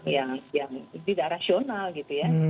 yang tidak rasional gitu ya